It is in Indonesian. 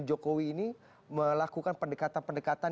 jokowi ini melakukan pendekatan pendekatan